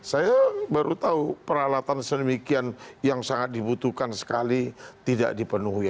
saya baru tahu peralatan sedemikian yang sangat dibutuhkan sekali tidak dipenuhi